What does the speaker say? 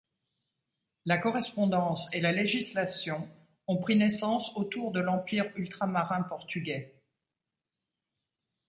La correspondance et la législation ont pris naissance autour de l'empire ultramarin portugais.